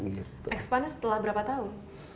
expand nya setelah berapa tahun